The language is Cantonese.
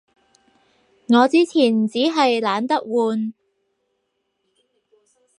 我之前衹係懶得換